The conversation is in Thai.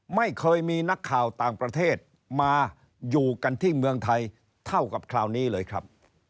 ไม่เคยมีนักข่าวต่างประเทศมาอยู่กันที่เมืองไทยเท่ากับคราวนี้เลยครับ